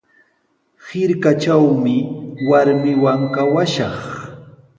Hirkatrawmi warmiiwan kawashaq.